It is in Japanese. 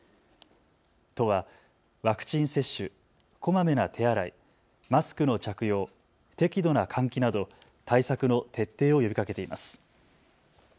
都はワクチン接種、こまめな手洗い、マスクの着用、適度な換気など対策の徹底を呼びかけています。